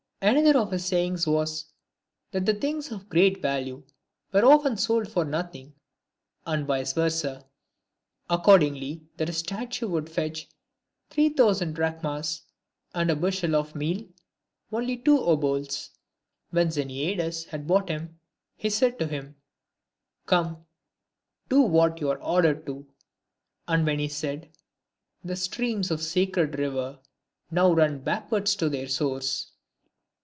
Another of his sayings was, that things of great value were often sold for nothing, and vice versa. Accordingly, that a statue would fetch three thousand drachmas, and a bushel of meal only two obols ; and when Xeniades had bought him, he said to him, •" Come, do what you are ordered to." And when he said —" The streams of sacred rivers now Kun backwards to their source